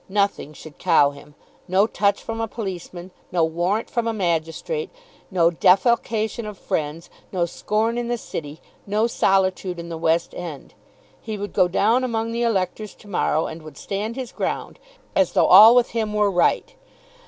Nothing should cow him, no touch from a policeman, no warrant from a magistrate, no defalcation of friends, no scorn in the City, no solitude in the West End. He would go down among the electors to morrow and would stand his ground, as though all with him were right.